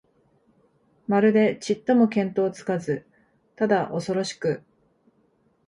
まるでちっとも見当つかず、ただおそろしく、